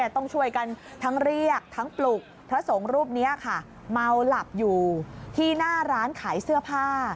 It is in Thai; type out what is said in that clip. ต้องช่วยกันทั้งเรียกทั้งปลุกพระสงฆ์รูปนี้ค่ะเมาหลับอยู่ที่หน้าร้านขายเสื้อผ้า